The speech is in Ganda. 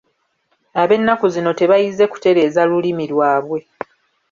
Ab'ennaku zino tebayize kutereeza lulimi lwabwe.